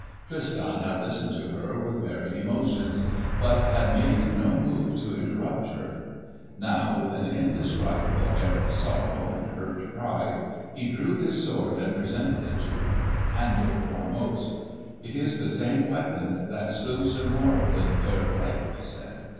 Tristan had listened to her with varied emotions, but had made no move to interrupt her. Now with an indescribable air of sorrow and hurt pride he drew his sword and presented it to her, handle foremost. "It is the same weapon that slew Sir Morold in fair fight," he said.